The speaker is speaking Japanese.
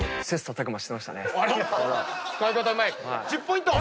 １０ポイント！